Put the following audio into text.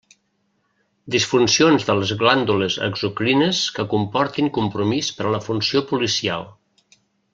Disfuncions de les glàndules exocrines que comportin compromís per a la funció policial.